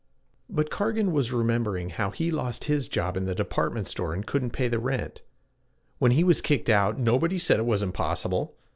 But Cargan was remembering how he lost his job in the department store and couldn't pay the rent. When he was kicked out, nobody said it was impossible!